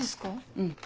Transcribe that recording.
うん。